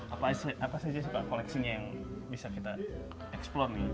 apa saja sih pak koleksinya yang bisa kita eksplor nih